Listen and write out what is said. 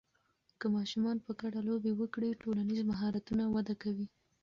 که ماشومان په ګډه لوبې وکړي، ټولنیز مهارتونه وده کوي.